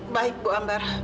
baik bu ambar